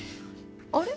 あれ？